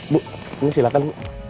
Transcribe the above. bu ini silahkan